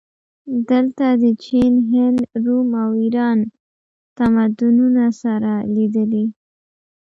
دلته د چین، هند، روم او ایران تمدنونه سره لیدلي